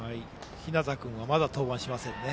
日當君はまだ登板しませんね。